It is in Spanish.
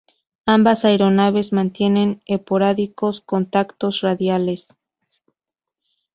Ambas aeronaves mantienen esporádicos contactos radiales.